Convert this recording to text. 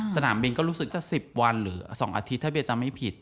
สนามบินก็รู้สึกจะ๑๐วันหรือ๒อาทิตย์ถ้าเบียจะไม่ผิด